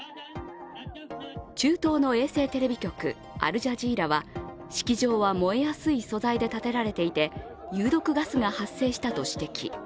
中東の衛星テレビ局・アルジャジーラは式場は燃えやすい素材で建てられていて有毒ガスが発生したと指摘。